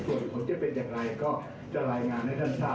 การจับมือกับอนาคตใหม่กับมุมใจไทยหรือยังครับ